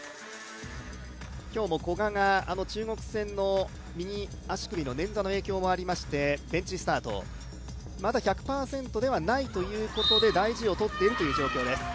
今日も古賀が中国戦の右足首の捻挫の影響もありまして、ベンチスタート、まだ１００％ではないということで大事をとっているという状況です。